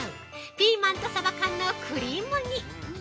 ピーマンとサバ缶のクリーム煮。